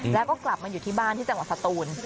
แล้วก็กลับมาอยู่ที่บ้านที่จังหวัดสตูน